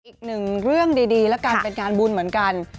อีกหนึ่งเรื่องดีแล้วกันเป็นงานบุญเหมือนกัน